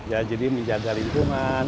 ya jadi menjaga lingkungan